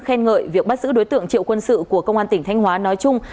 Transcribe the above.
khen ngợi việc bắt giữ đối tượng triệu quân sự của công an tỉnh thanh hóa nói chung